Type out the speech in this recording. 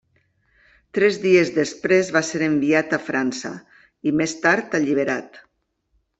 Tres dies després va ser enviat a França, i més tard alliberat.